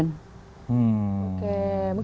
saya sekolah lagi